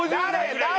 誰？